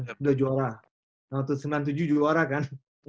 sudah juara waktu sembilan puluh tujuh juara kan